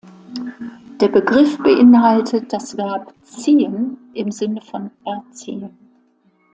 Der Begriff beinhaltet das Verb "ziehen" im Sinne von "erziehen".